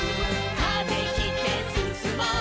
「風切ってすすもう」